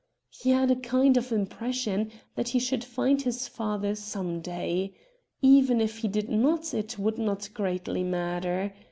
He had a kind of impression that he should find his father some day. Even if he did not it would not greatly matter.